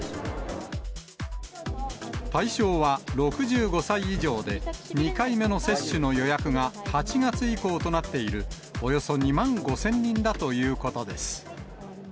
対象は６５歳以上で、２回目の接種の予約が８月以降となっている、およそ２万５０００人だということです。